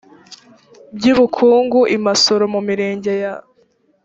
by ubukungu i masoro mu mirenge ya